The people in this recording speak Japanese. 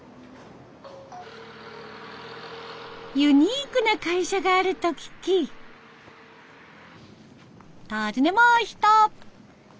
ユニークな会社があると聞き訪ねました。